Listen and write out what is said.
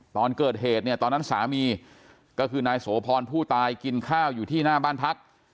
ตอนเกิดเหตุเนี่ยตอนนั้นสามีก็คือนายโสพรผู้ตายกินข้าวอยู่ที่หน้าบ้านพัก